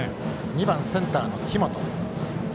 ２番、センターの紀本。